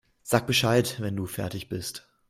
Sag Bescheid, wenn du fertig bist.